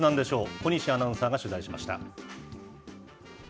小西アナウンサーが取材しました。